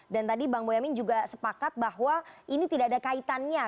dan tadi bang boyamin juga sepakat bahwa ini tidak ada kaitannya